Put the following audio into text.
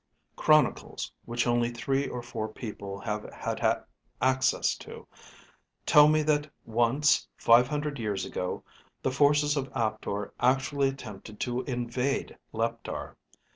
Chronicles, which only three or four people have had access to, tell me that once five hundred years ago, the forces of Aptor actually attempted to invade Leptar.